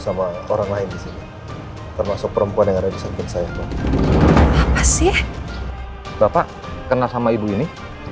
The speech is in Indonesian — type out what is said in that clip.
sama orang lain termasuk perempuan yang ada di samping saya apa sih bapak kenal sama ibu ini